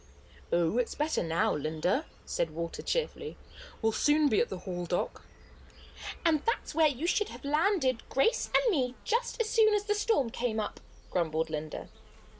"Oh, it's better now, Linda," said Walter, cheerfully. "We'll soon be at the Hall dock." "And that's where you should have landed Grace and me just as soon as the storm came up," grumbled Linda.